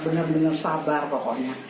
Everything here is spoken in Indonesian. bener bener sabar pokoknya